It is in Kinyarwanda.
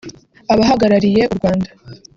Abahagarariye u Rwanda